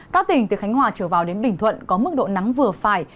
các tỉnh từ khánh hòa trở vào đến bình thuận có mức độ nắng vừa phải